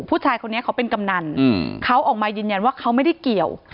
ผู้ชายคนนี้เขาเป็นกำนันเขาออกมายืนยันว่าเขาไม่ได้เกี่ยว